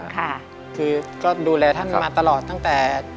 ค่ะคือก็ดูแลท่านมาตลอดตั้งแต่